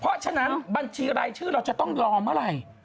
เพราะฉะนั้นบัญชีรายชื่อเราจะต้องยอมเมื่อไหร่